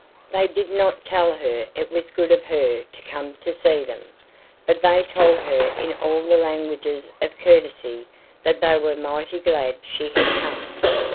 They did not tell her it was good of her to come to see them, but they told her in all the languages of courtesy that they were mighty glad she had come.